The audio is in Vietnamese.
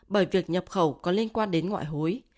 bởi việc nhập khẩu có liên quan đến ngoại hối